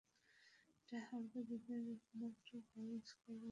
এটা হাওড়া জেলার একমাত্র গার্লস' কলেজ।